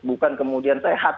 bukan kemudian sehat